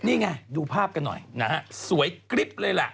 นี่ไงดูภาพกันหน่อยสวยกริ๊บเลยแหละ